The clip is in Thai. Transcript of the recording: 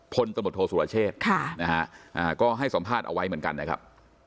คนตนบทโทษสุรเชษฐ์ค่ะนะฮะอ่าก็ให้สอมภาษณ์เอาไว้เหมือนกันนะครับ